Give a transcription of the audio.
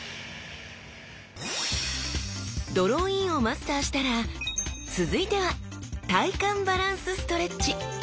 ドローインをマスターしたら続いては体幹バランスストレッチ